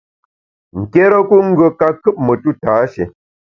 Nkérekut ngùe ka kùp metu tâshé.